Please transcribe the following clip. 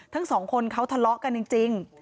ทั้งสองคนเขาทะเลาะกันจริง